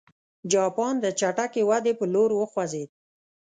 جاپان د چټکې ودې په لور وخوځېد.